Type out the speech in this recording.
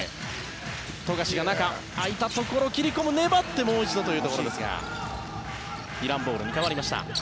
富樫が中空いたところを切り込む粘ってもう一度というところですがイランボールに変わりました。